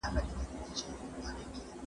پنډه چاغه بې شیدو توره بلا وه